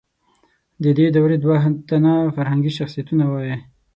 د دې دورې دوه تنه فرهنګي شخصیتونه ووایئ.